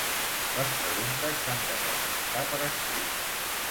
Les preguntes s'han de presentar per escrit.